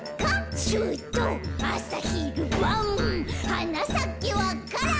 「はなさけわか蘭」